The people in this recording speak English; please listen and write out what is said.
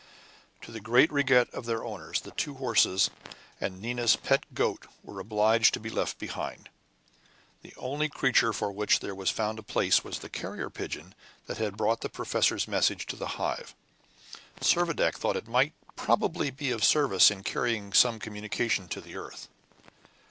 To the great regret of their owners, the two horses and Nina's pet goat were obliged to be left behind. The only creature for which there was found a place was the carrier pigeon that had brought the professor's message to the Hive. Servadac thought it might probably be of service in carrying some communication to the earth.